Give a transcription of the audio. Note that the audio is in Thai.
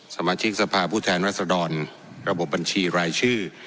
สมาชิกสภาพผู้แทนรัศดรระบบบัญชีรายชื่อ